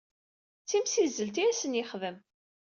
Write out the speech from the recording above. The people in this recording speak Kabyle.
D timsizzelt i asen-yexdem.